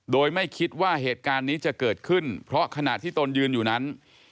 โดยไม่คิดว่าเหตุการณ์นี้จะเกิดขึ้นเพราะขณะที่ตนยืนอยู่นั้น